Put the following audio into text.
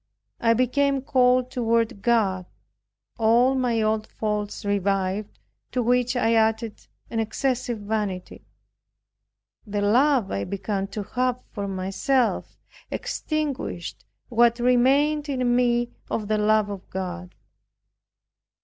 I became cold toward God. All my old faults revived to which I added an excessive vanity. The love I began to have for myself extinguished what remained in me of the love of God.